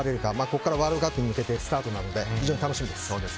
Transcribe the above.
ここからワールドカップに向けてスタートなので非常に楽しみです。